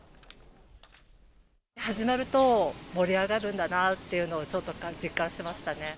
始まると、盛り上がるんだなっていうのをちょっと実感しましたね。